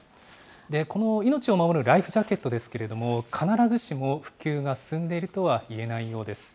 この命を守るライフジャケットですけれども、必ずしも普及が進んでいるとはいえないようです。